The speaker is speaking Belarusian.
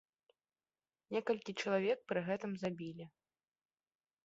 Некалькі чалавек пры гэтым забілі.